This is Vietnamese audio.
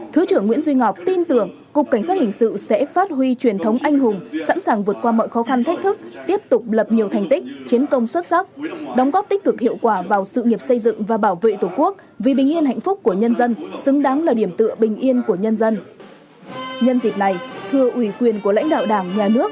thứ trưởng nguyễn duy ngọc tin tưởng cục cảnh sát hình sự sẽ phát huy truyền thống anh hùng sẵn sàng vượt qua mọi khó khăn thách thức tiếp tục lập nhiều thành tích chiến công xuất sắc đóng góp tích cực hiệu quả vào sự nghiệp xây dựng và bảo vệ tổ quốc vì bình yên hạnh phúc của nhân dân xứng đáng là điểm tựa bình yên của nhân dân